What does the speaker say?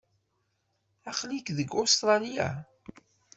Aql-ik deg Ustṛalya?